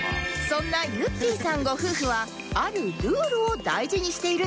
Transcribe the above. そんなゆってぃさんご夫婦はあるルールを大事にしているんです